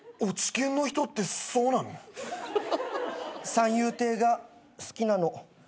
三遊亭が好きなの。